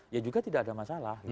ya juga tidak ada masalah